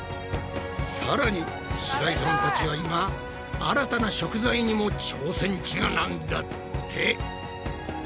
さらに白井さんたちは今新たな食材にも挑戦中なんだって。